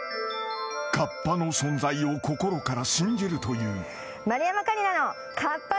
［カッパの存在を心から信じるという］